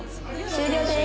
「終了です。